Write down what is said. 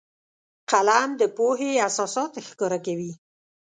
قلم د پوهې اساسات ښکاره کوي